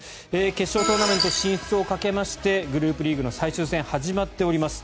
決勝トーナメント進出をかけましてグループステージの最終戦始まっております。